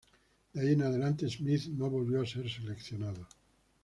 De ahí en adelante, Smith no volvió a ser seleccionado.